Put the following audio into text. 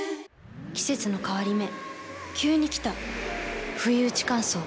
季節の変わり目急に来たふいうち乾燥。